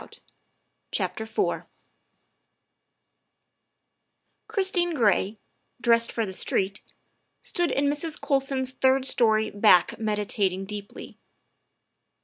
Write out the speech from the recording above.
40 THE WIFE OF IV CHRISTINE GRAY, dressed for the street, stood in Mrs. Colson's third story back meditating deeply.